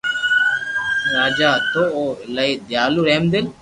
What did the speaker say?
راجا ھتو او ايلائي ديالو رحمدل